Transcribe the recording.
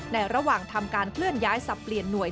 ระหว่างทำการเคลื่อนย้ายสับเปลี่ยนหน่วย